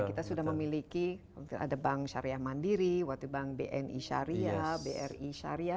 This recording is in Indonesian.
kita sudah memiliki ada bank syariah mandiri waktu bank bni syariah bri syariah